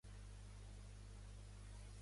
Què farà Torra un cop el triïn?